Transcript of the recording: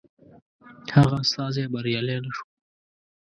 هغه استازی بریالی نه شو.